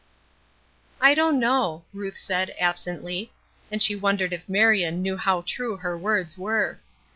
"I don't know," Ruth said, absently. And she wondered if Marion knew how true her words were.